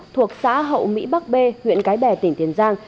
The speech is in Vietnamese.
thuộc xã hậu mỹ bắc b huyện cái bè tỉnh tiền giang